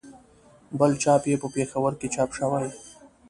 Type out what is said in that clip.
بل چاپ یې په پېښور کې چاپ شوی.